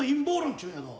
っちゅうんやぞ。